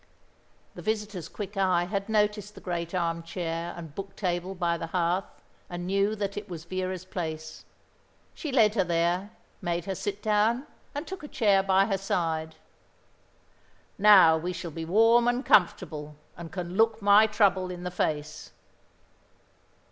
The visitor's quick eye had noticed the great armchair and book table by the hearth, and knew that it was Vera's place. She led her there, made her sit down, and took a chair by her side. "Now we shall be warm and comfortable, and can look my trouble in the face."